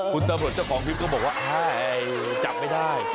คุณตำรวจเจ้าของคลิปก็บอกว่าจับไม่ได้